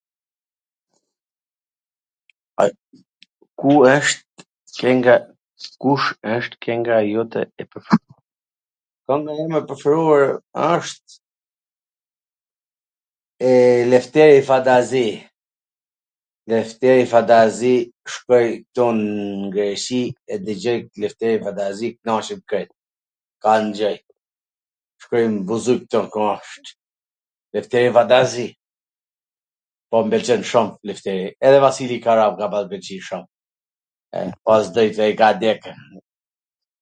Kush wsht kenga jote e preferuar? Kanga ime e preferuar asht Lefteri Fandazi, Lefteri Fandazi, shkoj ktu n Greqi e dwgjoj Lefteri Fandazi, knaqem krejt, kur e ngjoj, shkoj n buzuk ktu ku asht, Lefteri Fandazi, po m pelqen shum Lefteri, edhe Vasili Kara m ka pas pwlqy shum, past drit ai ka dek,